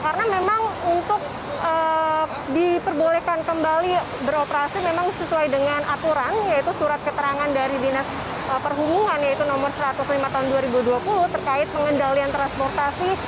karena memang untuk diperbolehkan kembali beroperasi memang sesuai dengan aturan yaitu surat keterangan dari binas perhubungan yaitu nomor satu ratus lima tahun dua ribu dua puluh terkait pengendalian transportasi